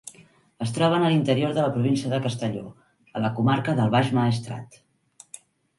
Es troben a l'interior de la província de Castelló, a la comarca del Baix Maestrat.